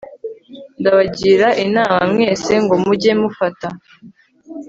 Ndabagira inama mwese ngo mujye mufata